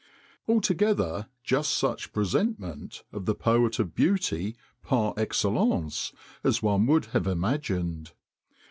Altogether just such 'presentment,' of the Poet of Beauty par excellence as one would have imagined.